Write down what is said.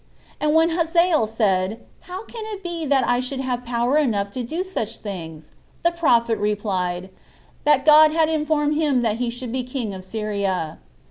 And when Hazael said, "How can it be that I should have power enough to do such things?" the prophet replied, that God had informed him that he should be king of Syria.